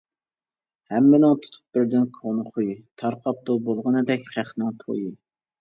ھەممىنىڭ تۇتۇپ بىردىن كونا خۇيى، تارقاپتۇ بولغىنىدەك خەقنىڭ تويى.